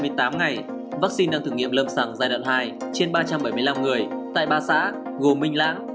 trong vaccine đang thử nghiệm lâm sàng giai đoạn hai trên ba trăm bảy mươi năm người tại ba xã gồm minh lãng